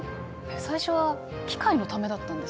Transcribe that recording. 最初は機械のためだったんですね。